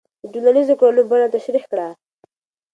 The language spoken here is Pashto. د ټولنیزو کړنو بڼه تشریح کړه.